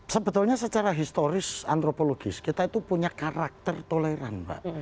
sebetulnya secara historis antropologis kita itu punya karakter toleran mbak